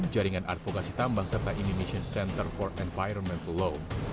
jaringan advokasi tambang serta indonesian center for environmental law